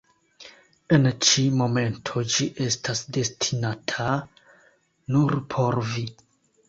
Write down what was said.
En ĉi momento ĝi estas destinata nur por vi.